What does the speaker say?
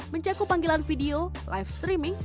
mencakup panggilan video live streaming